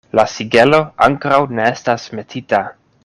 La sigelo ankoraŭ ne estas metita.